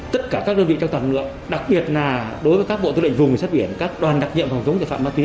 tất cả các đơn vị trong toàn lượng đặc biệt là đối với các bộ tư lệnh vùng cảnh sát biển các đoàn đặc nhiệm phòng chống tội phạm ma túy